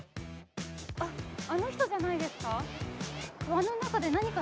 あ、あの人じゃないですか。